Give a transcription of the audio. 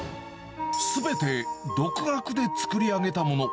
すべて、独学で作り上げたもの。